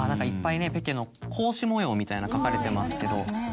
いっぱいねペケの格子模様みたいなの描かれてますけど。